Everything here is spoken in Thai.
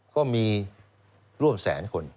ก็มีร่วมแสนคน